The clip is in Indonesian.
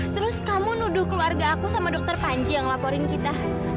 terus kamu nuduh keluarga aku sama dokter panji yang laporin kita